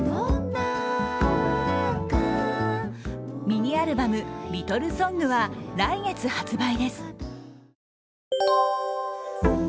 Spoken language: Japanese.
ミニアルバム「リトルソング」は、来月発売です。